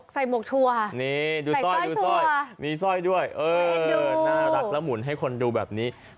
ใส่หมวกทัวร์ใส่ส้อยทัวร์มีส้อยด้วยน่ารักละหมุนให้คนดูแบบนี้